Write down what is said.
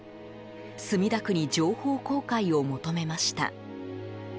墨田区に情報公開を求めました。